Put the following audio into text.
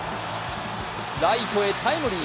ライトへタイムリー。